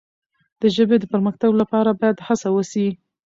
د ژبې د پرمختګ لپاره باید هڅه وسي.